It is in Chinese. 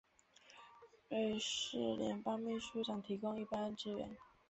瑞士联邦秘书长提供一般支援。